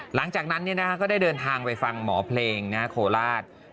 หลังจากนั้นก็ได้เดินทางไปฟังหมอเพลงโคราช